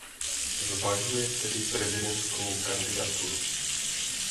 Zvažuje tedy prezidentskou kandidaturu.